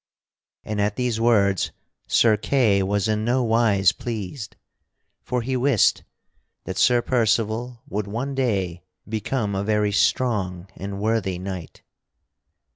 And at these words Sir Kay was in no wise pleased, for he wist that Sir Percival would one day become a very strong and worthy knight.